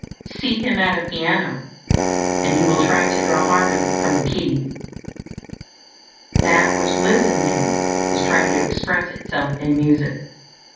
Seat him at a piano, and he will try to draw harmony from the keys; That which lives in him is trying to express Itself in music.